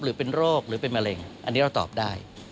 หรือเป็นโรคหรือเป็นมะเร็งอันนี้เราตอบได้